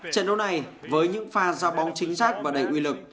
trận đấu này với những pha giao bóng chính giác và đầy quy lực